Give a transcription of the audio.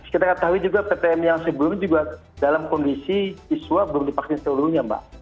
kita ketahui juga ptm yang sebelumnya juga dalam kondisi iswa belum divaksin seluruhnya mbak